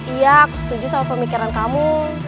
iya aku setuju sama pemikiran kamu